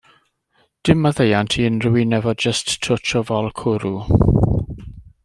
Dim maddeuant i unrhyw un efo jyst twtsh o fol cwrw!